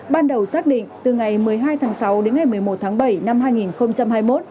ban đầu xác định từ ngày một mươi hai tháng sáu đến ngày một mươi một tháng bảy năm hai nghìn hai mươi một